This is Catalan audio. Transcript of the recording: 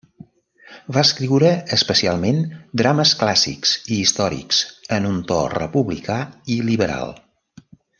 Va escriure especialment drames clàssics i històrics en un to republicà i liberal.